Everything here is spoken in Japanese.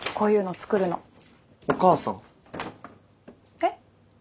えっ？